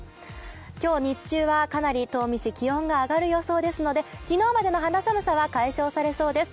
今日日中はかなり東御市気温が上がる予想ですので昨日までの肌寒さは解消されそうです。